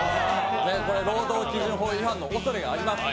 これ労働基準法違反のおそれがあります。